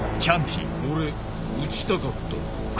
俺撃ちたかった。